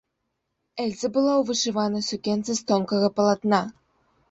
Эльза была ў вышыванай сукенцы з тонкага палатна.